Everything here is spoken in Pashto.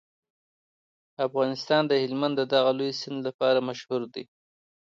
افغانستان د هلمند د دغه لوی سیند لپاره مشهور دی.